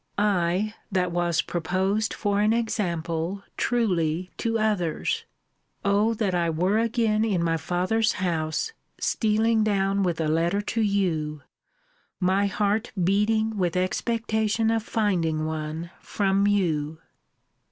I, that was proposed for an example, truly, to others! O that I were again in my father's house, stealing down with a letter to you; my heart beating with expectation of finding one from you!